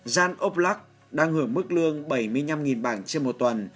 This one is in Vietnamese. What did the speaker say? jean aubrac đang hưởng mức lương bảy mươi năm bảng trên một tuần